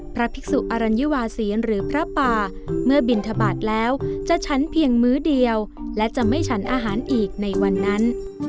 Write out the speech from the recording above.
พระภิกษุอรัญวาศีลหรือพระป่าเมื่อบินทบาทแล้วจะฉันเพียงมื้อเดียวและจะไม่ฉันอาหารอีกในวันนั้น